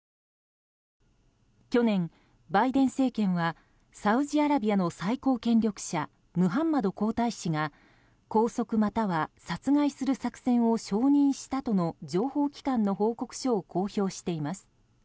去年、バイデン政権はサウジアラビアの最高権力者ムハンマド皇太子が拘束または殺害する作戦を承認したとの情報機関の報告書を公表しています。